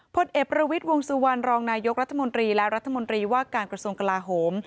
พลเอกประวิทย์วงสุวรรณรองนายกรัฐมนตรีและรัฐมนตรีว่าการกระทรวงกลาโหม